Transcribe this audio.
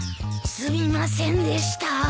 すみませんでした。